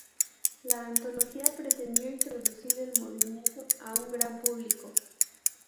La antología pretendió introducir el movimiento a un gran público.